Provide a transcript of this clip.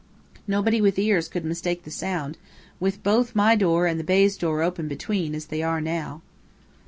Nobody with ears could mistake the sound, with both my door and the baize door open between, as they are now.